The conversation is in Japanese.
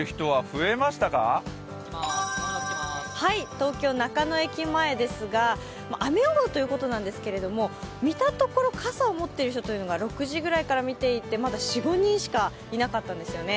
東京・中野駅前ですが、雨予報ということなんですけど、見たところ傘を持っている人というのが６時ぐらいから見ていてまだ４５人しかいなかったんですよね。